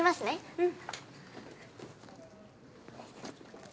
うん。